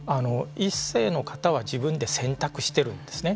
１世の方は自分で選択してるんですね。